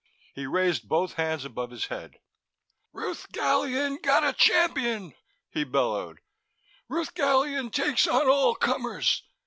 He raised both hands above his head. "Rath Gallion gotta Champion," he bellowed. "Rath Gallion takes on all comers."